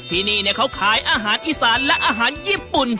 ที่นี่เขาขายอาหารอีสานและอาหารญี่ปุ่น